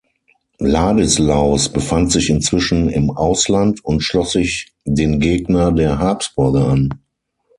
Ladislaus befand sich inzwischen im Ausland und schloss sich den Gegner der Habsburger an.